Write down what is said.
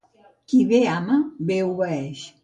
Qui bé ama, bé obeeix.